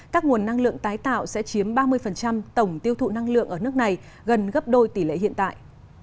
các nguồn năng lượng tái tạo sẽ chiếm ba mươi tổng tiêu thụ năng lượng ở nước này gần gấp đôi tỷ lệ hiện tại